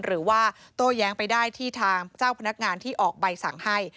หรือว่าโต้แย้งไปได้ที่ทางเจ้าพนักงานที่ออกใบสั่งให้